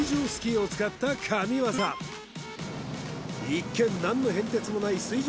一見何の変哲もない水上